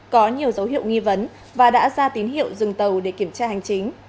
có nhiều dấu hiệu nghi vấn và đã ra tín hiệu dừng tàu để kiểm tra hành chính